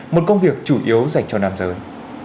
một công việc chủ yếu dành cho nam giới